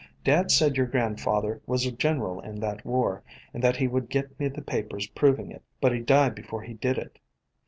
Dad said your grandfather was a general in that war, and that he would get me the papers proving it, but he died be fore he did it.